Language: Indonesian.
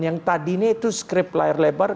yang tadinya itu script layar lebar